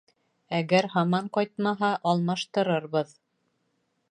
Әгәр һаман ҡайтмаһа, алмаштырырбыҙ.